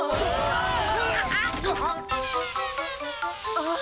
あっ。